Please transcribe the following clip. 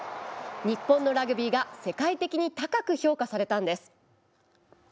日本のラグビーが世界的に高く評価されたんです。